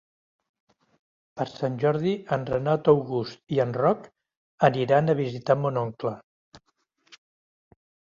Per Sant Jordi en Renat August i en Roc aniran a visitar mon oncle.